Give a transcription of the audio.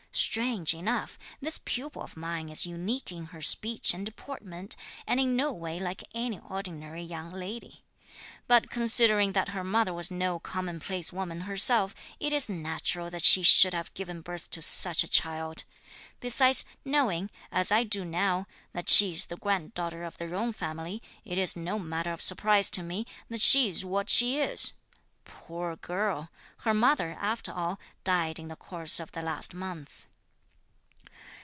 Strange enough, this pupil of mine is unique in her speech and deportment, and in no way like any ordinary young lady. But considering that her mother was no commonplace woman herself, it is natural that she should have given birth to such a child. Besides, knowing, as I do now, that she is the granddaughter of the Jung family, it is no matter of surprise to me that she is what she is. Poor girl, her mother, after all, died in the course of the last month."